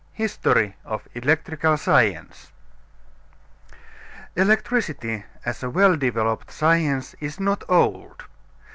HISTORY OF ELECTRICAL SCIENCE. Electricity as a well developed science is not old.